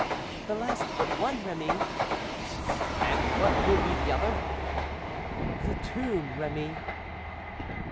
"The last but one, Remy." "And what will be the other?" "The tomb, Remy."